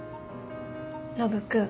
ノブ君